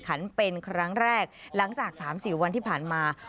ขันเป็นครั้งแรกหลังจาก๓๔วันที่ผ่านมา